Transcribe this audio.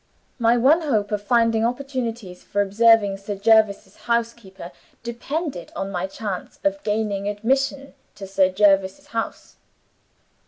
My one hope of finding opportunities for observing Sir Jervis's housekeeper depended on my chance of gaining admission to Sir Jervis's house."